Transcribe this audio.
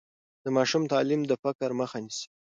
د ماشوم تعلیم د فقر مخه نیسي.